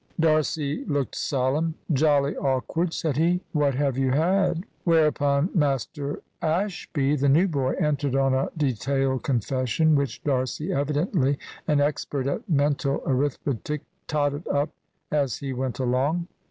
D'Arcy looked solemn. "Jolly awkward," said he; "what have you had?" Whereupon Master Ashby, the new boy, entered on a detailed confession, which D'Arcy, evidently an expert at mental arithmetic, "totted up" as he went along.